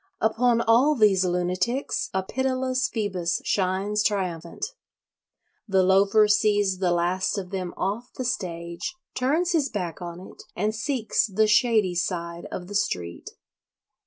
Upon all these lunatics a pitiless Phoebus shines triumphant. The Loafer sees the last of them off the stage, turns his back on it, and seeks the shady side of the street.